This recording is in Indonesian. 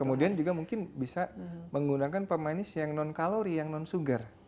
kemudian juga mungkin bisa menggunakan pemain yang non kalori yang non sugar